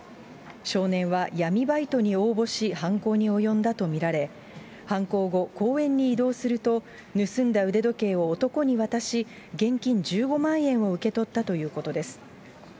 少年は闇バイトに応募し犯行に及んだと見られ、犯行後、公園に移動すると、盗んだ腕時計を男に渡し、現金１５万円を受け取ったということです。